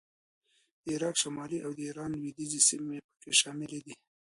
د عراق شمالي او د ایران لوېدیځې سیمې په کې شاملې دي